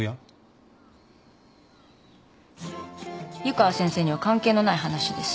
湯川先生には関係のない話です。